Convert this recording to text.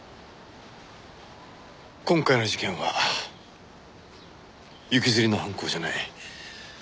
今回の事件は行きずりの犯行じゃない。